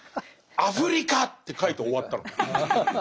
「アフリカ！！」って書いて終わったの。